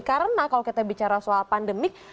karena kalau kita bicara soal pandemik